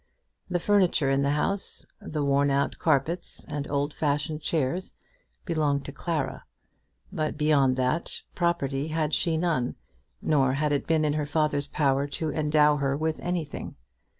The furniture in the house, the worn out carpets and old fashioned chairs, belonged to Clara; but, beyond that, property had she none, nor had it been in her father's power to endow her with anything.